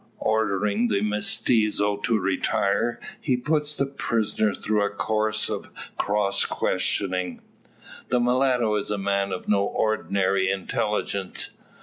Ordering the mestizo to retire, he puts the prisoner through a course of cross questioning. The mulatto is a man of no ordinary intelligence.